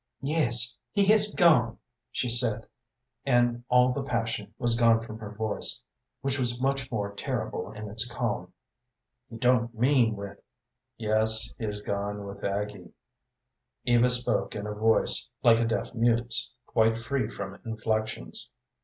"Yes, he has gone," she said, and all the passion was gone from her voice, which was much more terrible in its calm. "You don't mean with ?" "Yes; he has gone with Aggie." Eva spoke in a voice like a deaf mute's, quite free from inflections.